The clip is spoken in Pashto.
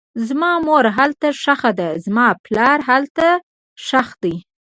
زما مور هلته ښخه ده, زما پلار هلته ښخ دی